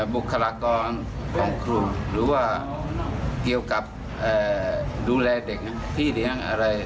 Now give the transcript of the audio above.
บุคลากรของครูหรือว่าเกี่ยวกับดูแลเด็กพี่เลี้ยงอะไร